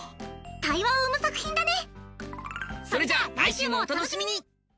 対話を生む作品だね。